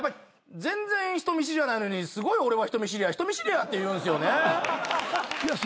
全然人見知りじゃないのにすごい「俺は人見知りや」って言うんすよね。